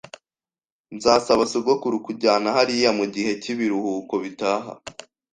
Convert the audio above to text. Nzasaba sogokuru kunjyana hariya mugihe cyibiruhuko bitaha